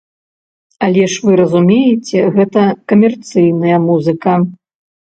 Але ж вы разумееце, гэта камерцыйная музыка.